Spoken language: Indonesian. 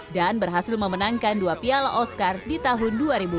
dan berhasil memenangkan dua piala oscar di tahun dua ribu empat belas